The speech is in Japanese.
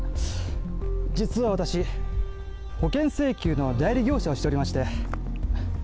実は私、保険請求の代理業者をしておりまして。